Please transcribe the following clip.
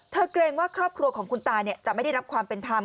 เกรงว่าครอบครัวของคุณตาจะไม่ได้รับความเป็นธรรม